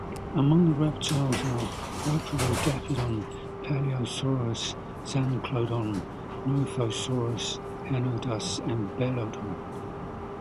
Among the reptiles are "Hyperodapedon", "Palaeosaurus", "Zanclodon", "Nothosaurus", "Henodus" and "Belodon".